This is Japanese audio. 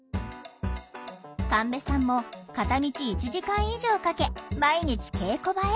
神戸さんも片道１時間以上かけ毎日稽古場へ。